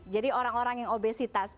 jadi orang orang yang obesitas